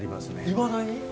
いまだに？